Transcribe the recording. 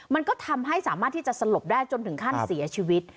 มันก็ทำให้สามารถที่จะสลบได้จนถึงขั้นเสียชีวิต